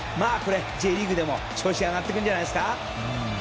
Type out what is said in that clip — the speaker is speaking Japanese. Ｊリーグでも調子が上がってくるんじゃないですか。